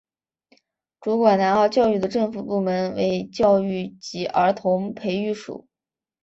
主管南澳教育的政府部门为教育及儿童培育署。